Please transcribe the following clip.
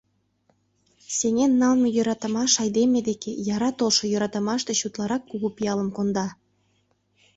Сеҥен налме йӧратымаш айдеме деке яра толшо йӧратымаш деч утларак кугу пиалым конда.